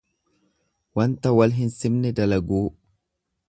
Wanta wal hin simne dalaguu.